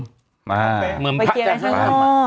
ไปเกลียดตอนที่อาจ้อน